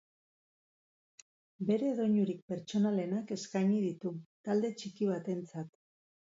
Bere doinurik pertsonalenak eskaini ditu, talde txiki batentzat.